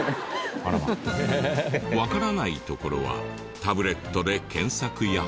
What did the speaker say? わからないところはタブレットで検索や。